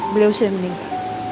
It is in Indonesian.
beliau sudah meninggal